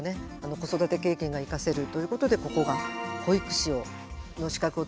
子育て経験が生かせるということでここが保育士の資格を取るために勉強なさる。